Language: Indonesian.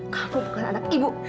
kamu bukan anak ibu